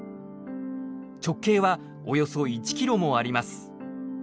直径はおよそ１キロもあります。